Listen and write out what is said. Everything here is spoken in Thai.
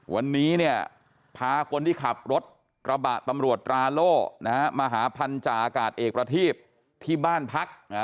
วันนี้เนี่ยพาคนที่ขับรถกระบะตำรวจตราโล่มาหาพันธาอากาศเอกประทีบที่บ้านพัก